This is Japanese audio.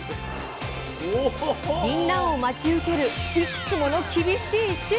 ぎんなんを待ち受けるいくつもの厳しい試練とは？